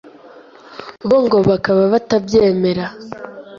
Bo ngo bakaba batabyemera